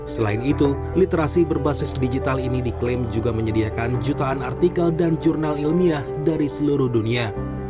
selain itu literasi berbasis digital ini diklaim juga menyediakan jutaan artikel dan jurnal ilmiah dari seluruh dunia